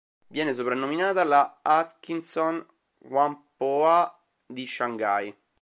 Viene soprannominata "la Hutchison Whampoa di Shanghai".